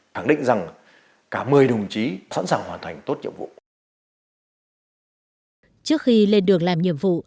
thẳng định rằng cả một mươi đồng chí sẵn sàng hoàn thành tốt nhiệm vụ